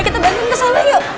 kita bangun ke sana yuk